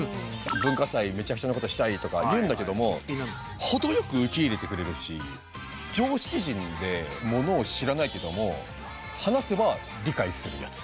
「文化祭めちゃくちゃなことしたい」とか言うんだけども程よく受け入れてくれるし常識人でものを知らないけども話せば理解するやつ。